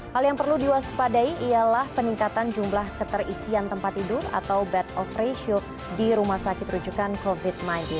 hal yang perlu diwaspadai ialah peningkatan jumlah keterisian tempat tidur atau bed of ratio di rumah sakit rujukan covid sembilan belas